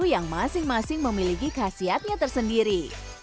yang masing masing memiliki khasiatnya tersendiri